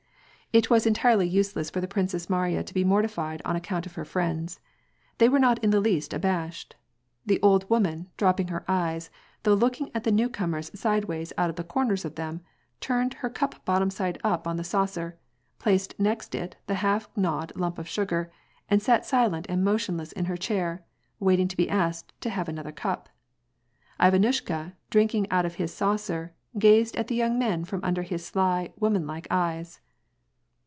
It was entirely useless for the Princess Mariya to be morti fied on account of her friends. They were not in the least abashed. The old woman, dropping her eyes, though looking at the new comers sidewise out of the corners of them, turned her cup bottom side up on the saucer, placed next it the half gDawed lump of sugar, and sat silent and motionless in her chair, waiting to be asked to have another cup. Ivanushka, drinking out of his saucer, gazed at the young men from under his sly, womanlike eyes.